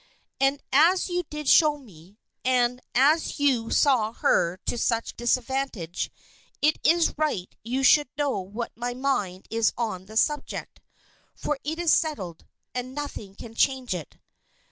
"And as you did show me, and as you saw her to such disadvantage, it is right you should know what my mind is on the subject. For it's settled, and nothing can change it."